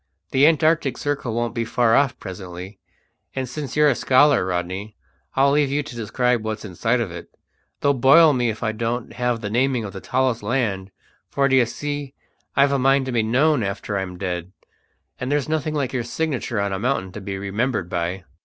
The Antarctic circle won't be far off presently, and since you're a scholar, Rodney, I'll leave you to describe what's inside of it, though boil me if I don't have the naming of the tallest land; for, d'ye see, I've a mind to be known after I'm dead, and there's nothing like your signature on a mountain to be remembered by."